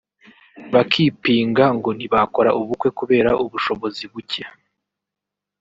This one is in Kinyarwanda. bakipinga ngo ntibakora ubukwe kubera ubushobozi buke